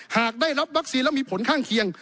หากได้รับวัคซีนแล้วมีผลข้างเคียง